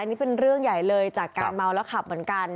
นี่เป็นเรื่องใหญ่เลยจากการเมาแล้วขับเหมือนกัน